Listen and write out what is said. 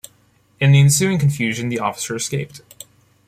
In the ensuing confusion, the officer escaped.